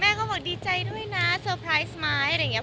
เขาบอกดีใจด้วยนะเซอร์ไพรส์ไหมอะไรอย่างนี้